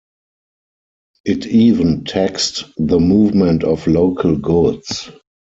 It even taxed the movement of local goods.